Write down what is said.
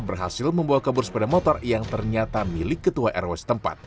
berhasil membawa kabur sepeda motor yang ternyata milik ketua rw setempat